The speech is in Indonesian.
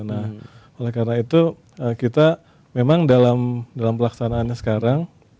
nah oleh karena itu kita memang dalam pelaksanaannya sekarang